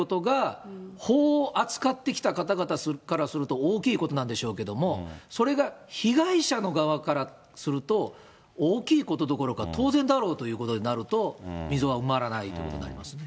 そうすると時効を超えるということが、法を扱ってきた方々からすると、大きいことなんでしょうけれども、それが被害者の側からすると、大きいことどころか当然だろうということになると、溝は埋まらないということになりま